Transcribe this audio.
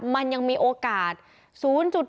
แม่น้องชมพู่แม่น้องชมพู่